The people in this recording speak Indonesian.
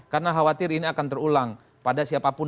karena khawatir ini akan terulang pada siapapun